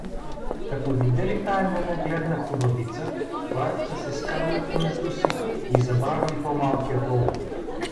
Като видели тая ненагледна хубавица, братята се скарали помежду си и забравили по-малкия долу.